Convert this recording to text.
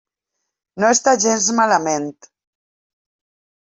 No està gens malament.